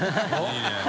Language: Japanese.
いいね。